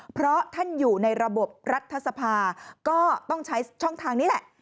เพราะท่านอยู่ในระบบรัฐสภาก็ต้องใช้ช่องทางนี้แหละ